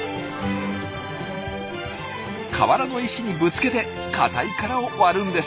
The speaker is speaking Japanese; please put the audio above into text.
河原の石にぶつけて硬い殻を割るんです。